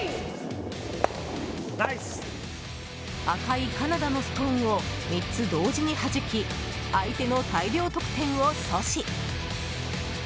赤いカナダのストーンを３つ同時にはじき相手の大量得点を阻止。